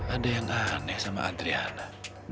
ada yang aneh sama adriana